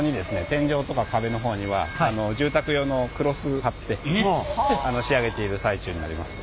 天井とか壁の方には住宅用のクロスを貼って仕上げている最中になります。